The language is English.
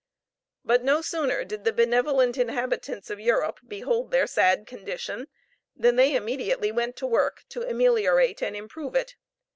But no sooner did the benevolent inhabitants of Europe behold their sad condition than they immediately went to work to ameliorate and improve it.